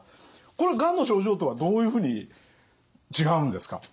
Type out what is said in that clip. これがんの症状とはどういうふうに違うんですか？